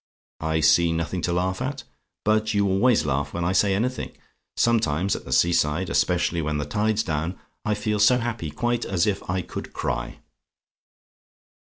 I see nothing to laugh at; but you always laugh when I say anything. Sometimes at the sea side especially when the tide's down I feel so happy: quite as if I could cry.